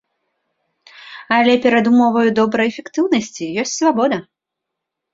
Але перадумоваю добрай эфектыўнасці ёсць свабода.